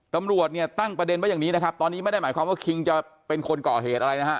ตำรวจเนี่ยตั้งประเด็นไว้อย่างนี้นะครับตอนนี้ไม่ได้หมายความว่าคิงจะเป็นคนก่อเหตุอะไรนะฮะ